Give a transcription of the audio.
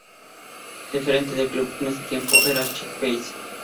El gerente del club en este tiempo era Chic Bates.